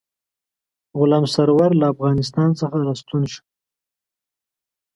غلام سرور له افغانستان څخه را ستون شو.